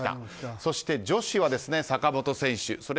そして女子は坂本選手